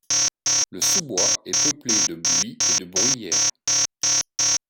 Le sous-bois est peuplé de buis et de bruyères.